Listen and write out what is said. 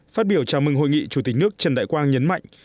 phát biểu chào mừng hội nghị chủ tịch nước trần đại quang nhấn mạnh